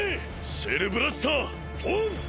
シェルブラスターオン！